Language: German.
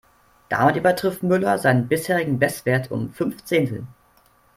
Damit übertrifft Müller seinen bisherigen Bestwert um fünf Zehntel.